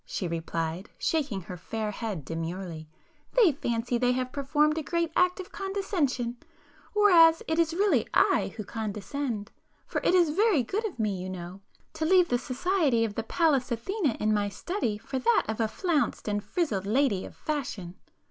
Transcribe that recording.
she replied, shaking her fair head demurely—"They fancy they have performed a great act of condescension,—whereas it is really I who condescend, for it is very good of me, you know, to leave the society of the Pallas Athene in my study for that of a flounced and frizzled lady of fashion!"